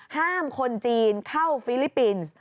ห้ามคนจีนเข้าฟิลิปปินส์